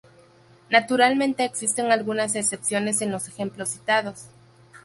Naturalmente, existen algunas excepciones en los ejemplos citados.